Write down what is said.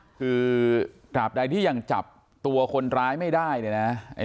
คือตราบใดที่ยังจับตัวคนร้ายไม่ได้เนี่ยนะ